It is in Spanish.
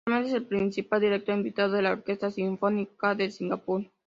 Actualmente es el principal director invitado de la Orquesta Sinfónica de Singapur.